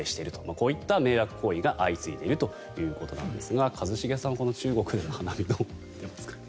こういった迷惑行為が相次いでいるということですが一茂さん、この中国の花見どう思っていますか？